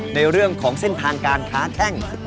ในเรื่องของเส้นทางการค้าแข้ง